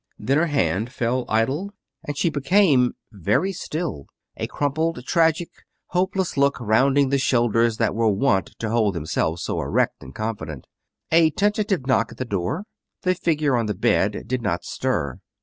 Then her hand fell idle, and she became very still, a crumpled, tragic, hopeless look rounding the shoulders that were wont to hold themselves so erect and confident. A tentative knock at the door. The figure on the bed did not stir.